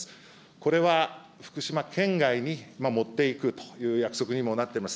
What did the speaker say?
これは福島県外に持っていくという約束にもなっています。